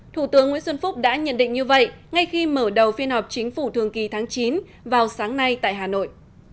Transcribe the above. thủ tướng nguyễn xuân phúc đã nhận định như vậy ngay khi mở đầu phiên họp chính phủ thường kỳ tháng chín vào sáng nay tại hà nội